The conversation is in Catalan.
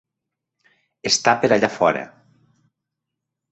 Està per allà fora.